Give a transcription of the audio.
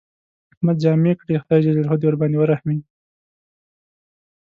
احمد جامې کړې، خدای ج دې ورباندې ورحمېږي.